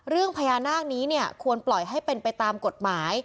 เรื่องพญานาคนี้เนี่ยควรปล่อยให้เป็นไปตามกฎหมาย